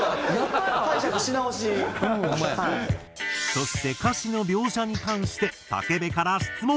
そして歌詞の描写に関して武部から質問。